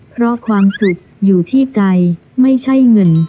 เพราะความสุขอยู่ที่ใจไม่ใช่เงิน